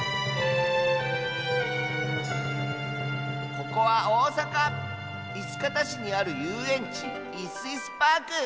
ここはおおさかいすかたしにあるゆうえんち「いすいすパーク」！